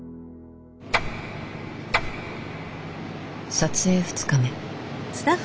撮影２日目。